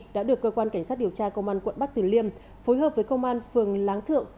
đã được cơ quan cảnh sát điều tra công an quận bắc tử liêm phối hợp với công an phường láng thượng